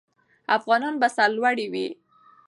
افغانان به سرلوړي وي.